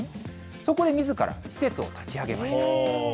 そこでみずから施設を立ち上げました。